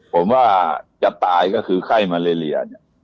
ผมว่าจะตายก็คือไข้มาเลเลียเนี่ย